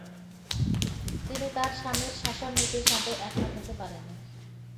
তিনি তার স্বামীর শাসননীতির সাথে একমত হতে পারেনি।